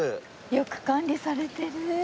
よく管理されてる。